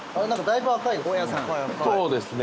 そうですね。